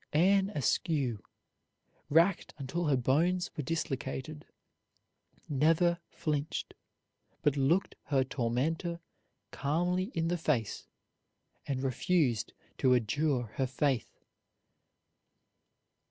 Anne Askew, racked until her bones were dislocated, never flinched, but looked her tormentor calmly in the face and refused to adjure her faith.